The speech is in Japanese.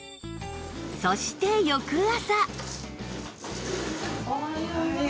そして翌朝